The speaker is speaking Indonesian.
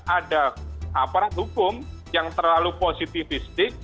ada aparat hukum yang terlalu positifistik